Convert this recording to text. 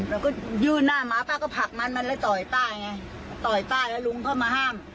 เราก็ยื่นหน้ามาป้าก็ผลักมันมันเลยต่อยป้าไงต่อยป้าแล้วลุงเข้ามาห้าม